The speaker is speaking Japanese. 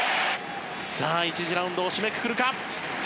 さあ１次ラウンドを締めくくるか？